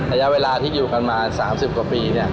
อัยะเวลาที่อยู่กันมา๓๐กว่าปีเนี่ย